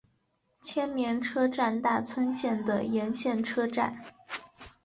千绵车站大村线的沿线车站。